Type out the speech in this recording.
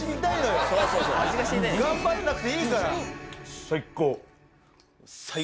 頑張んなくていいから。